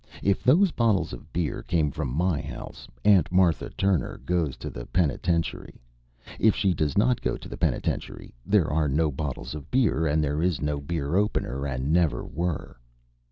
If those bottles of beer came from my house Aunt Martha Turner goes to the penitentiary. If she does not go to the penitentiary, there are no bottles of beer and there is no beer opener. And never were!"